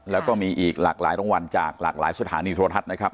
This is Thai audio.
แล้วก็มีอีกหลากหลายรางวัลจากหลากหลายสถานีโทรทัศน์นะครับ